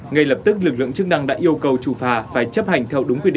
ngay lập tức lực lượng chức năng đã yêu cầu chủ phà phải chấp hành theo đúng quy định